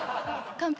完璧。